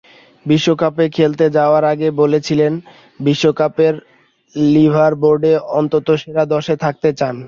বিশ্বকাপে খেলতে যাওয়ার আগে বলেছিলেন, বিশ্বকাপের লিডারবোর্ডে অন্তত সেরা দশে থাকতে চান।